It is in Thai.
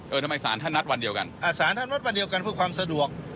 ทำไมศาลท่านนัดวันเดียวกันอ่าสารท่านนัดวันเดียวกันเพื่อความสะดวก